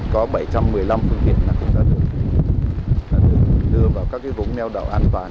có bảy trăm một mươi năm phương tiện cũng đã được đưa vào các cái vũng neo đầu an toàn